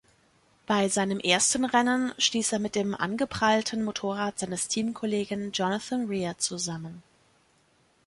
Bei seinem ersten Rennen stieß er mit dem angeprallten Motorrad seines Teamkollegen Jonathan Rea zusammen.